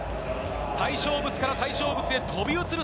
対象物から対象物へ飛び移る